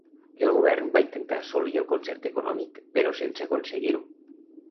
El govern va intentar assolir el concert econòmic però sense aconseguir-ho.